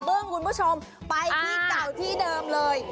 คุณผู้ชมไปที่เก่าที่เดิมเลย